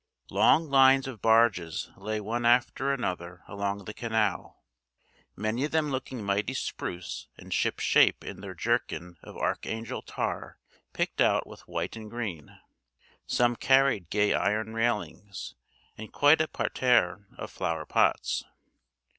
Long lines of barges lay one after another along the canal; many of them looking mighty spruce and shipshape in their jerkin of Archangel tar picked out with white and green. Some carried gay iron railings, and quite a parterre of flower pots.